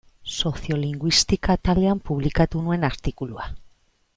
Soziolinguistika atalean publikatu nuen artikulua.